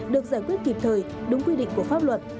được giải quyết kịp thời đúng quy định của pháp luật